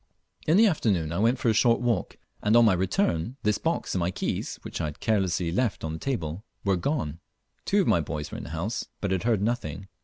In the afternoon I went for a short walk, and on my return this box and my keys, which I had carelessly left on the table, were gone. Two of my boys were in the house, but had heard nothing.